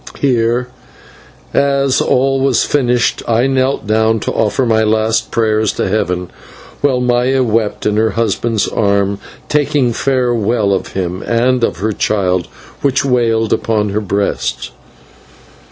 Here, as all was finished, I knelt down to offer my last prayers to Heaven, while Maya wept in her husband's arms, taking farewell of him and of her child, which wailed upon her breast.